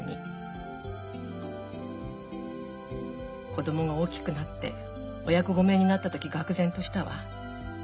子供が大きくなってお役御免になった時がく然としたわ。